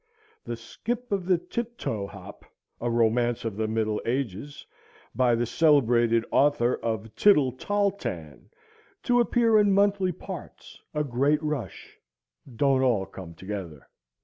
"The Skip of the Tip Toe Hop, a Romance of the Middle Ages, by the celebrated author of 'Tittle Tol Tan,' to appear in monthly parts; a great rush; don't all come together."